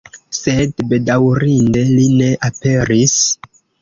Sed bedaŭrinde li ne aperis.